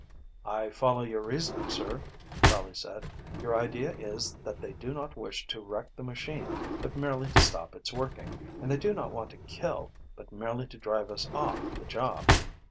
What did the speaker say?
"I follow your reasoning, sir," Charley said. "Your idea is that they do not wish to wreck the machine, but merely to stop its working, and that they do not want to kill, but merely to drive us off the job."